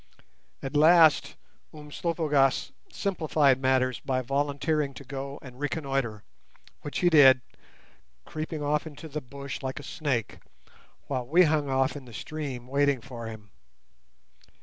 At last Umslopogaas simplified matters by volunteering to go and reconnoitre, which he did, creeping off into the bush like a snake, while we hung off in the stream waiting for him.